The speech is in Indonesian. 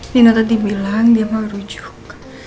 nino tadi bilang dia mau rujuk